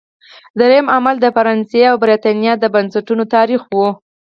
درېیم عامل د فرانسې او برېټانیا د بنسټونو تاریخ و.